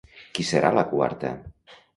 Qui serà la quarta?